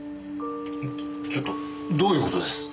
ちょっとどういう事です？